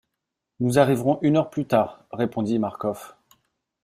Nous arriverons une heure plus tard, répondit Marcof.